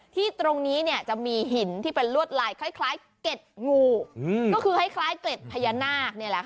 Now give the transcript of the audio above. ที่ตรงนี้จะมีหินที่เป็นลวดลายคล้ายเกร็ดงูก็คือคล้ายเกร็ดพญานาค